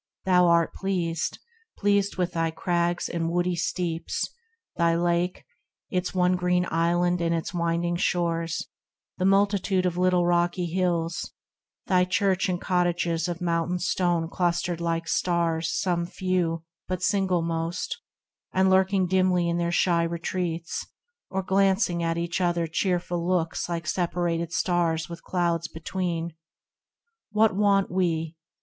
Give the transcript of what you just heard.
Thou art pleased, Pleased with thy crags and woody steeps, thy Lake, THE RECLUSE 9 Its one green island and its winding shores ; The multitude of little rocky hills, Thy Church and cottages of mountain stone Clustered like stars some few, but single most, And lurking dimly in their shy retreats, Or glancing at each other cheerful looks Like separated stars with clouds between. What want we